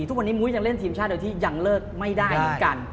ทุกวันนี้มุ้ยยังเล่นทีมชาติโดยที่ยังเลิกไม่ได้เหมือนกัน